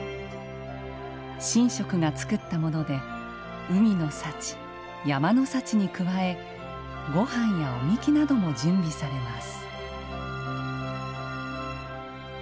神職が作ったもので海の幸、山の幸に加えごはんやお神酒なども準備されます。